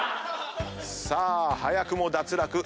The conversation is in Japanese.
さあ早くも脱落。